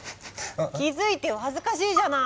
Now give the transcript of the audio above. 気付いてよ恥ずかしいじゃない！